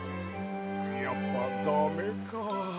やっぱダメか。